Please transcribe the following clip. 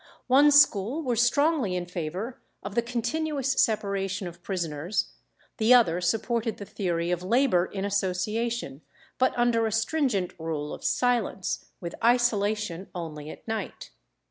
One school were strongly in favour of the continuous separation of prisoners, the other supported the theory of labour in association, but under a stringent rule of silence, with isolation only at night.